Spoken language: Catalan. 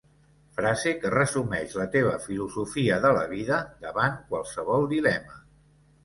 Frase que resumeix la teva filosofia de la vida davant qualsevol dilema.